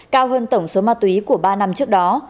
cao hơn tổng số ma túy của ba năm trước đó